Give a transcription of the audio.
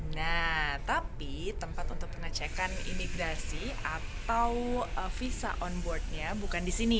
nah tapi tempat untuk penacekan imigrasi atau visa on board nya bukan di sini